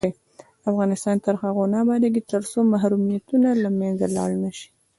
افغانستان تر هغو نه ابادیږي، ترڅو محرومیتونه له منځه لاړ نشي.